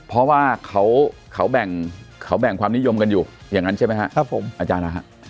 เพราะว่าเขาแบ่งความนิยมกันอยู่อย่างนั้นใช่ไหมครับผมอาจารย์นะฮะ